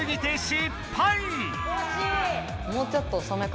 もうちょっと遅め？